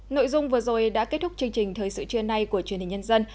nội dung vừa rồi đã kết thúc chương trình thời sự trưa nay của truyền hình nhân dân